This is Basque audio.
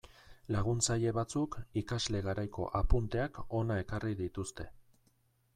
Laguntzaile batzuk ikasle garaiko apunteak hona ekarri dituzte.